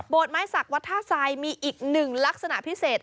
โบสดไม้สักวัตถาสายมีอีก๑ลักษณะพิเศษ